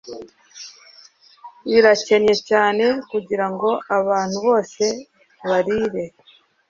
Birakennye cyane kugirango abantu bose barire